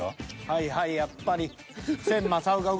はいはいやっぱり。